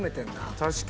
確かに。